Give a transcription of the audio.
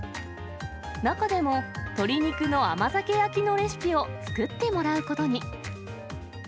中でも、鶏肉の甘酒焼きのレシピを作ってもらうことに。